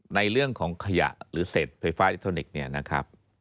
ในเรื่องของขยะหรือเศษไฟฟ้าอิทโทนิกส์